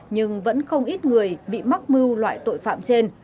nhưng vẫn không ít người bị mắc mưu loại tội phạm trên